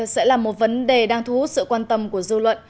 sẽ là một vấn đề đang thu hút sự quan tâm của dư luận